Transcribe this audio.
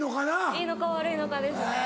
いいのか悪いのかですね。